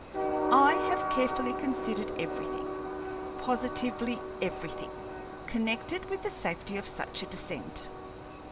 I have carefully considered everything, positively everything, connected with the safety of such a descent.